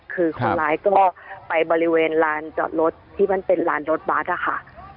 คือคนร้ายก็ไปบริเวณลานจอดรถที่มันเป็นลานรถบัตรอะค่ะ